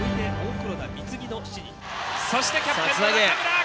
そしてキャプテン中村。